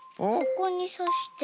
ここにさして。